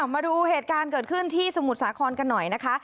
มาดูเหตุการณ์เกิดขึ้นที่สมุทรสาครกันหน่อยนะคะ